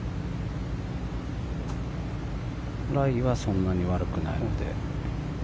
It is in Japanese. ライはそんなに悪くないので。